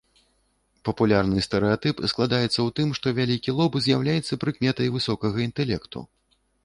Папулярны стэрэатып складаецца ў тым, што вялікі лоб з'яўляецца прыкметай высокага інтэлекту.